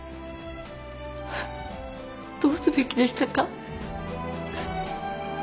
どうすべきでしたか？